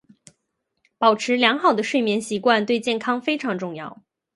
保持良好的睡眠习惯对健康非常重要。